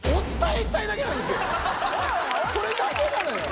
それだけなのよ！